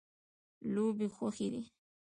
لوبې خوښې دي.